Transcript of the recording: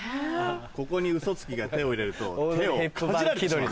ここにウソつきが手を入れると手をかじられてしまうんだ。